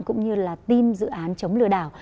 cũng như là team dự án chống lừa đảo